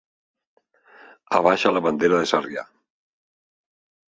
Abaixa la bandera de Sarrià.